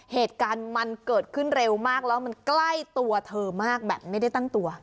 เหตุการณ์มันเกิดขึ้นเร็วมากแล้วมันใกล้ตัวเธอมากแบบไม่ได้ตั้งตัว